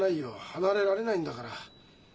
離れられないんだから。